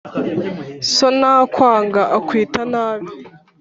So ntakwanga, akwita nabi.